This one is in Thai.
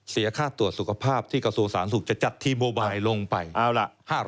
เสียค่าตรวจสุขภาพที่กสสานสุขจะจัดทีโมไบล์ลงไป๕๐๐บาท